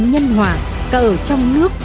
nhân hỏa cả ở trong nước